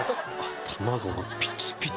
卵がピチピチ。